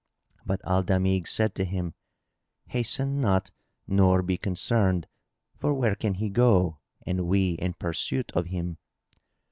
But Al Damigh said to him, "Hasten not nor be concerned, for where can he go, and we in pursuit of him?"